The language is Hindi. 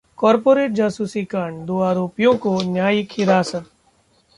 कॉरपोरेट जासूसी कांड: दो आरोपियों को न्यायिक हिरासत